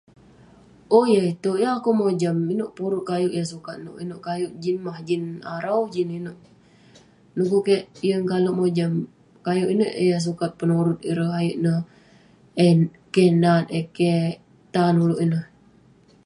Oh yah itouk, yeng akouk mojam. Inouk porut kayouk yah sukat nouk, inouk kayouk jin mah jin arau, jin inouk. Dekuk kek yeng kale' mojam kayouk inouk eh yah sukat penorut ireh ayuk neh eh- keh nat eh keh tan ulouk ineh.